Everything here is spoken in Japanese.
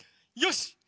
よし！